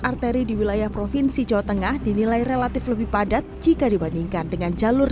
arteri di wilayah provinsi jawa tengah dinilai relatif lebih padat jika dibandingkan dengan jalur